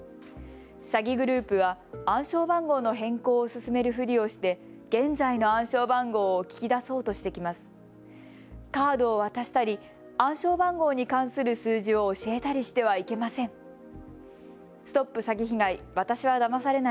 詐欺グループは暗証番号の変更を勧めるふりをして現在の暗証番号を聞き出そうとしてきます。